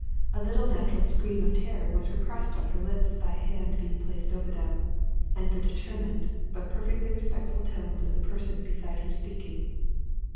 A little natural scream of terror was repressed on her lips by a hand being placed over them, and the determined but perfectly respectful tones of the person beside her speaking.